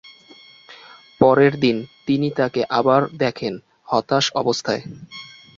পরের দিন, তিনি তাকে আবার দেখেন, হতাশ অবস্থায়।